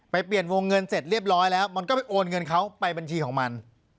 เปลี่ยนวงเงินเสร็จเรียบร้อยแล้วมันก็ไปโอนเงินเขาไปบัญชีของมัน